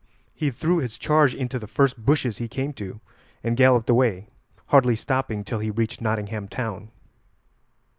He threw his charge into the first bushes he came to, and galloped away, hardly stopping till he reached Nottingham town.